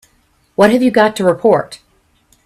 What have you got to report?